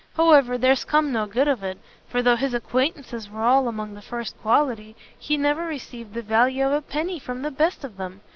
However, there's come no good of it, for though his acquaintances was all among the first quality, he never received the value of a penny from the best of them.